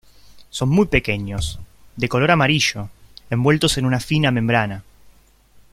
Son muy pequeños, de color amarillo, envueltos en una fina membrana.